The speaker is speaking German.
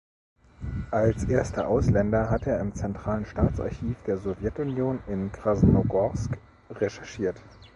Als erster Ausländer hat er im zentralen Staatsarchiv der Sowjetunion in Krasnogorsk recherchiert.